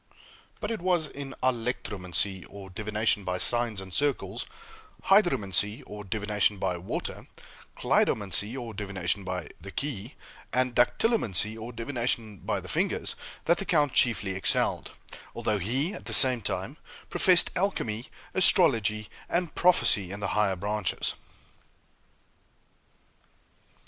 But it was in alectromancy, or divination by signs and circles; hydromancy, or divination by water; cleidomancy, or divination by the key, and dactylomancy, or divination by the fingers, that the count chiefly excelled, although he, at the same time, professed alchemy, astrology, and prophecy in the higher branches.